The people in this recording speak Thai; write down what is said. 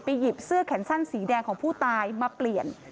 หยิบเสื้อแขนสั้นสีแดงของผู้ตายมาเปลี่ยน